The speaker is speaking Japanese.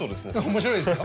面白いですよ。